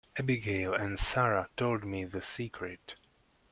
Abigail and Sara told me the secret.